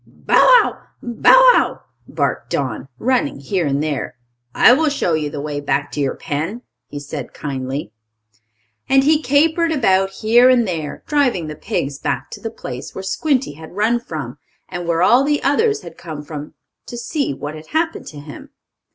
"Bow wow! Bow wow!" barked Don, running here and there. "I will show you the way back to your pen," he said, kindly. And he capered about, here and there, driving the pigs back to the place where Squinty had run from, and where all the others had come from, to see what had happened to him.